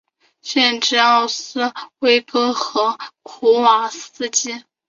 县治奥斯威戈和普瓦斯基。